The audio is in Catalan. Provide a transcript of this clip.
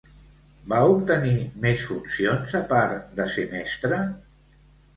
Va obtenir més funcions a part de ser mestra?